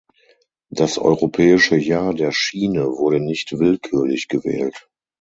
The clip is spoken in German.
Das Europäische Jahr der Schiene wurde nicht willkürlich gewählt.